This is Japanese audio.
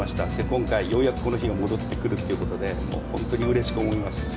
今回、ようやくこの日が戻ってくるということで、本当にうれしく思います。